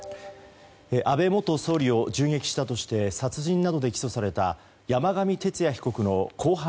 安倍元総理を銃撃したとして殺人などで起訴された山上徹也被告の公判